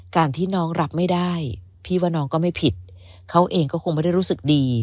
การที่น้องรับไม่ได้พี่ว่าน้องก็ไม่ผิดเขาเองก็คงไม่ได้รู้สึกดี